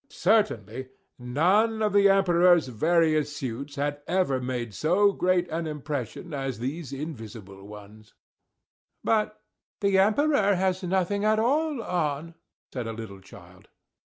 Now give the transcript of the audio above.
Certainly, none of the Emperor's various suits, had ever made so great an impression, as these invisible ones. "But the Emperor has nothing at all on!" said a little child.